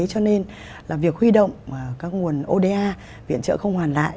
cho nên là việc huy động các nguồn oda viện trợ không hoàn lại